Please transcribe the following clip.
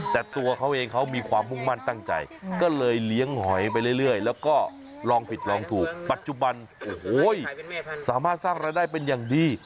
แต่ตัวเขาเองเขามีความมุ่งมั่นตั้งใจก็เลยเลี้ยงหอยไปเรื่อยแล้วก็ลองผิดลองถูกปัจจุบันโอ้โหสามารถสร้างรายได้เป็นอย่างดี